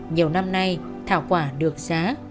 nhiều năm nay thảo quả được giá